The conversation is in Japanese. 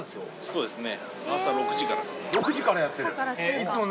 そうですね